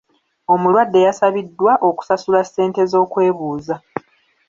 Omulwadde yasabiddwa okusasula ssente z'okwebuuza.